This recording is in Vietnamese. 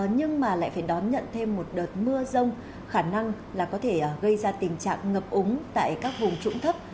nhưng mà lại phải đón nhận thêm một đợt mưa rông khả năng là có thể gây ra tình trạng ngập úng tại các vùng trũng thấp